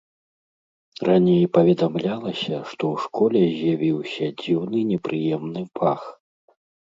Раней паведамлялася, што ў школе з'явіўся дзіўны непрыемны пах.